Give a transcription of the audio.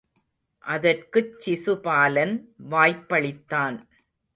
அதற்குச் சிசுபாலன் வாய்ப்பளித்தான்.